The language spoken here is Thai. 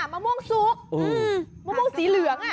มะม่วงซุกมะม่วงสีเหลือง